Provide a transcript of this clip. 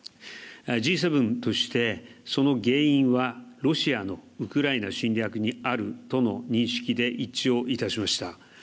Ｇ７としてその原因はロシアのウクライナ侵略にあるとの認識で一致をいたしました。